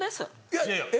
いやいや。